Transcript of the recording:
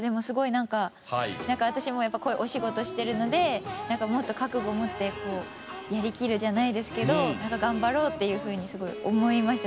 なんか私もやっぱこういうお仕事してるのでなんかもっと覚悟持ってやりきるじゃないですけどなんか頑張ろうっていうふうにすごい思いましたね